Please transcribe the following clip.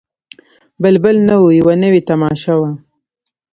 بلبل نه وو یوه نوې تماشه وه